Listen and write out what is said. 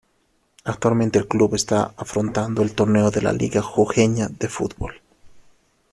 Actualmente el club está afrontando el torneo de La Liga Jujeña de Fútbol.